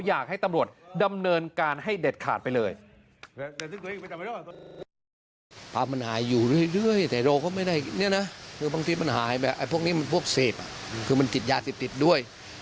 อยากให้ตำรวจดำเนินการให้เด็ดขาดไปเลย